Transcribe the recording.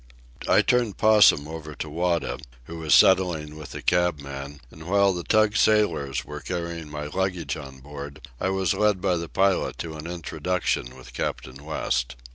I turned Possum over to Wada, who was settling with the cabman, and while the tug's sailors were carrying my luggage on board I was led by the pilot to an introduction with Captain West.